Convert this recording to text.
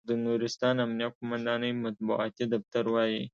د نورستان امنیه قوماندانۍ مطبوعاتي دفتر وایي،